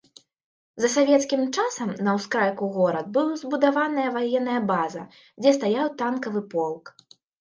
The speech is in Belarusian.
За савецкім часам на ўскрайку горад быў збудаваная ваенная база, дзе стаяў танкавы полк.